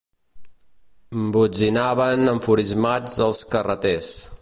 ...botzinaven enfurismats els carreters.